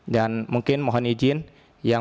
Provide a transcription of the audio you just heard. dan mungkin mohon izin yang